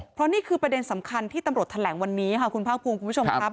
เพราะนี่คือประเด็นสำคัญที่ตำรวจแถลงวันนี้ค่ะคุณภาคภูมิคุณผู้ชมครับ